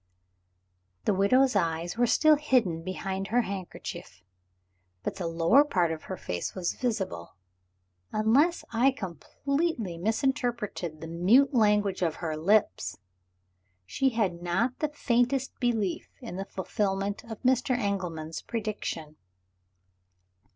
The widow's eyes were still hidden behind her handkerchief. But the lower part of her face was visible. Unless I completely misinterpreted the mute language of her lips, she had not the faintest belief in the fulfillment of Mr. Engelman's prediction.